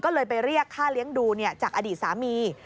ก็เลยไปเรียกค่าเลี้ยงดูจากอดีตสามี